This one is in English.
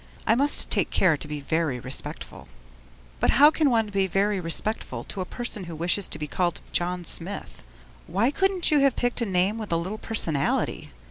I must take care to be Very Respectful. But how can one be very respectful to a person who wishes to be called John Smith? Why couldn't you have picked out a name with a little personality?